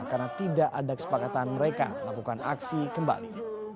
karena tidak ada kesepakatan mereka melakukan aksi kembali